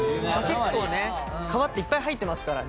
結構ね皮っていっぱい入ってますからね。